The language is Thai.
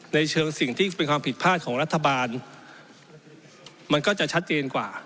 ในเชิงสิ่งที่เป็นความผิดพลาดของรัฐบาลมันก็จะชัดเจนกว่า